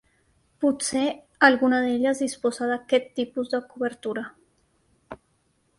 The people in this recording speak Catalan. Potser alguna d'elles disposa d'aquest tipus de cobertura.